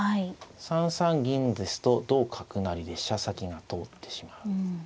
３三銀ですと同角成で飛車先が通ってしまう。